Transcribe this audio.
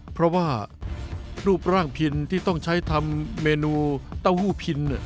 เพราะว่ารูปร่างพินที่ต้องใช้ทำเมนูเต้าหู้พิน